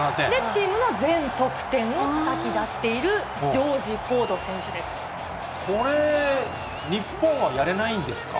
チームの全得点をたたき出しているジョージ・フォード選手でこれ、日本はやれないんです